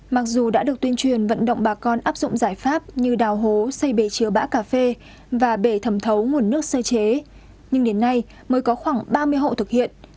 mặc dù đã được tuyên truyền vận động bà con áp dụng giải pháp như đào hố xây bể chứa bã cà phê và bể thẩm thấu nguồn nước sơ chế nhưng đến nay mới có khoảng ba mươi hộ thực hiện